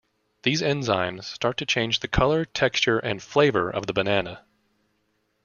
These enzymes start to change the color, texture and flavor of the banana.